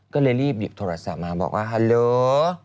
ก็เลยรีบหยิบโทรศัพท์มาบอกว่าฮัลโหล